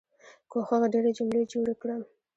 کوښښ ډيرې جملې جوړې کړم.